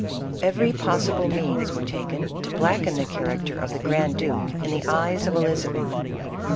Every possible means were taken to blacken the character of the grand duke in the eyes of Elizabeth.